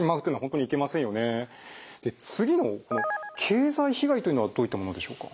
次の経済被害というのはどういったものでしょうか？